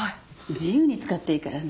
自由に使っていいからね。